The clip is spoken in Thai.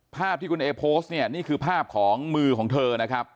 ภาพที่คุณเอโพสต์เนี่ยนี่คือภาพของมือของเธอนะครับ